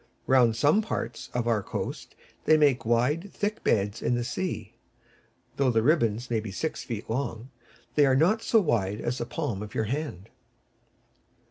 Round some parts of our coast they make wide, thick beds in the sea. Though the ribbons may be six feet long, they are not so wide as the palm of your hand.